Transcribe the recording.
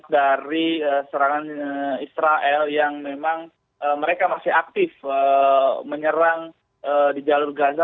dari serangan israel yang memang mereka masih aktif menyerang di jalur gaza